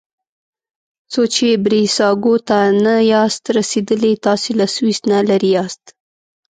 څو چې بریساګو ته نه یاست رسیدلي تاسي له سویس نه لرې یاست.